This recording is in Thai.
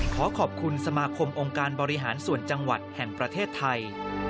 ขอขอบคุณสมาคมองค์การบริหารส่วนจังหวัดแห่งประเทศไทย